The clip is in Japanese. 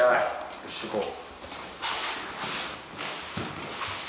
よし行こう。